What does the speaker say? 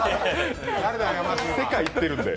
世界行ってるんで。